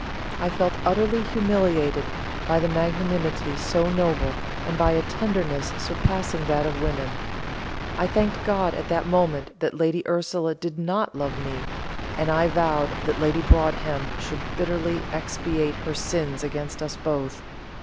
I felt utterly humiliated by a magnanimity so noble, and by a tenderness surpassing that of women. I thanked God at that moment that Lady Ursula did not love me, and I vowed that Lady Broadhem should bitterly expiate her sins against us both.